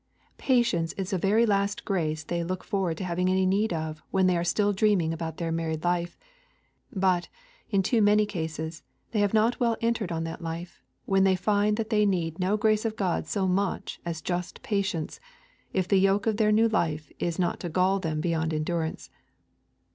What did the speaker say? Patience is the very last grace they look forward to having any need of when they are still dreaming about their married life; but, in too many cases, they have not well entered on that life, when they find that they need no grace of God so much as just patience, if the yoke of their new life is not to gall them beyond endurance.